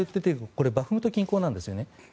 これ、バフムト近郊なんですね。